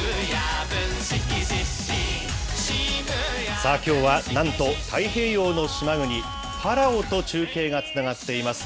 さあ、きょうはなんと、太平洋の島国、パラオと中継がつながっています。